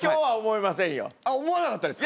思わなかったですか？